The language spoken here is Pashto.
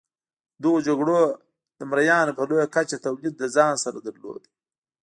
دغو جګړو د مریانو په لویه کچه تولید له ځان سره درلود.